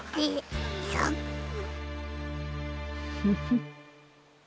フフ。